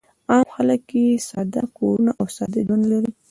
عام خلک یې ساده کورونه او ساده ژوند لري.